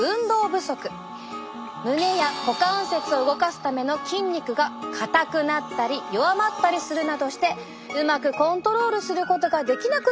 胸や股関節を動かすための筋肉が硬くなったり弱まったりするなどしてうまくコントロールすることができなくなってしまうんです。